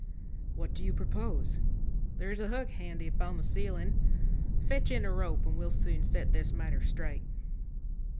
"What do you propose?" "There's a hook handy upon the ceiling. Fetch in a rope, and we'll soon set this matter straight."